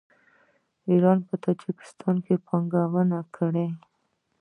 ایران په تاجکستان کې پانګونه کړې.